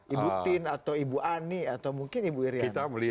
ibu tin atau ibu ani atau mungkin ibu iryana